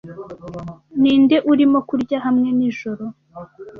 Ninde urimo kurya hamwe nijoro?